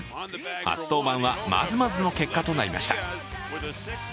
初登板はまずまずの結果となりました。